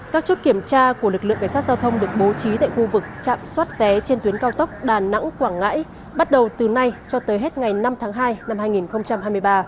các chốt kiểm tra của lực lượng cảnh sát giao thông được bố trí tại khu vực trạm xoát vé trên tuyến cao tốc đà nẵng quảng ngãi bắt đầu từ nay cho tới hết ngày năm tháng hai năm hai nghìn hai mươi ba